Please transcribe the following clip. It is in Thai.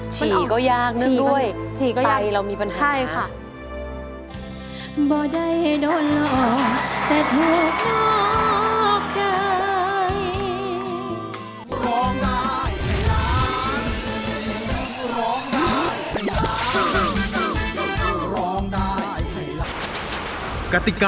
ฉี่ก็ยากนึงด้วยใตเรามีปัญหาฉี่ก็ยากใช่ค่ะ